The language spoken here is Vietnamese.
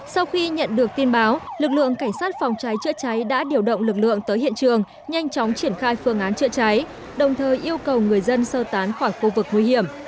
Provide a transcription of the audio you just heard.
sau khi nhận được tin báo lực lượng cảnh sát phòng cháy chữa cháy đã điều động lực lượng tới hiện trường nhanh chóng triển khai phương án chữa cháy đồng thời yêu cầu người dân sơ tán khỏi khu vực nguy hiểm